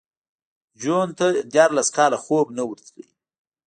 جون ته دیارلس کاله خوب نه ورتلو